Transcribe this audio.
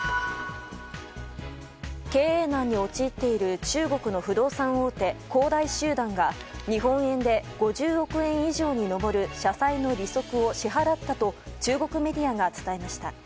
経営難に陥っている中国の不動産大手、恒大集団が日本円で５０億円以上に上る社債の利息を支払ったと中国メディアが伝えました。